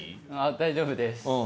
大丈夫です。